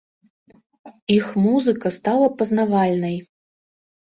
Іх музыка стала пазнавальнай.